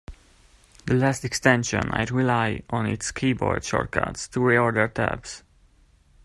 The last extension I rely on is Keyboard Shortcuts to Reorder Tabs.